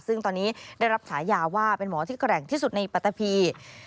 ซึ่งตอนนี้ได้รับฉายาว่าเป็นหมอที่แกร่งที่สุดในปัตตะพี